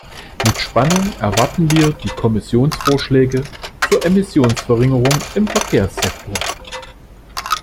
Mit Spannung erwarten wir die Kommissionsvorschläge zur Emissionsverringerung im Verkehrssektor.